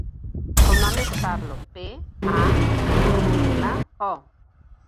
El nom és Pablo: pe, a, be, ela, o.